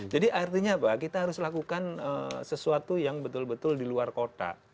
jadi artinya apa kita harus lakukan sesuatu yang betul betul diluar kota